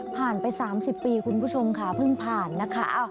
ไป๓๐ปีคุณผู้ชมค่ะเพิ่งผ่านนะคะ